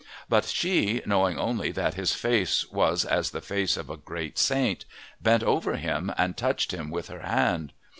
But she, knowing only that his face was as the face of a great saint, bent over him and touched him with her hand.